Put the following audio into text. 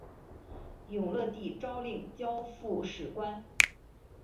永乐帝诏令交付史官。